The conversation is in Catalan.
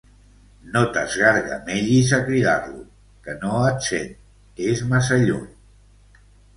No t'esgargamellis a cridar-lo, que no et sent: és massa lluny.